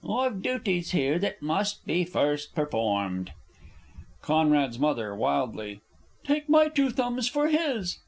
I've duties here that must be first performed. C.'s M. (wildly). Take my two thumbs for his!